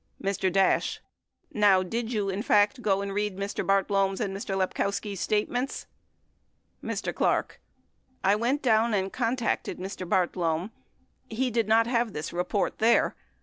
Mr. Dash. Now, did you in fact go down and read Mr. Bartlome's and Mr. Lepkowski's statements ? Mr. Clark. I went down and contacted Mr. Bartlome. He did not have this report there.